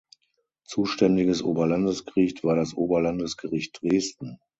Zuständiges Oberlandesgericht war das Oberlandesgericht Dresden.